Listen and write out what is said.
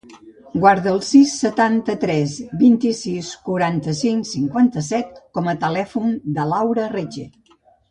Guarda el sis, setanta-tres, vint-i-sis, quaranta-cinc, cinquanta-set com a telèfon de l'Aura Reche.